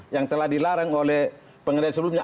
yang telah dilarang oleh pengadilan sebelumnya